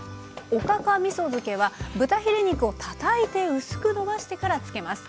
おかかみそ漬けは豚ヒレ肉をたたいて薄くのばしてから漬けます。